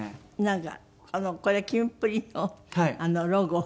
なんかこれキンプリのロゴ？